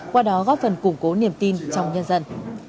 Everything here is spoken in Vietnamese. qua đó góp phần củng cố niềm tin trong nhân dân